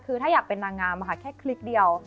คือถ้าอยากเป็นนางงามค่ะแค่คลิกเดียว